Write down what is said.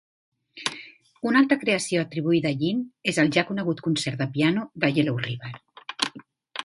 Una altra creació atribuïda a Yin és el ja conegut concert de piano de Yellow River.